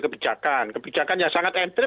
kebijakan kebijakan yang sangat entry